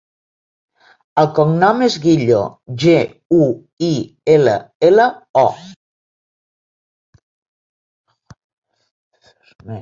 El cognom és Guillo: ge, u, i, ela, ela, o.